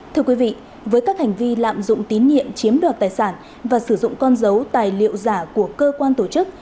thưa quý vị với các hành vi lạm dụng tín nhiệm chiếm đoạt tài sản và sử dụng con dấu tài liệu giả của cơ quan tổ chức